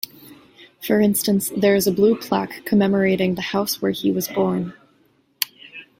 For instance there is a blue plaque commemorating the house where he was born.